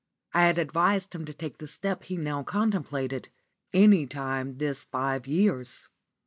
I had advised him to take the step he now contemplated any time this five years.